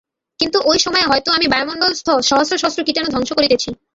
কিন্তু ঐ একই সময়ে হয়তো আমি বায়ুমণ্ডলস্থ সহস্র সহস্র কীটাণু ধ্বংস করিতেছি।